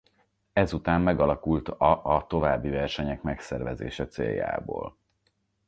Ezután megalakult a a további versenyek megszervezése céljából.